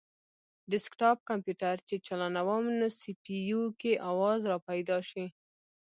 ډیسکټاپ کمپیوټر چې چالانووم نو سي پي یو کې اواز راپیدا شي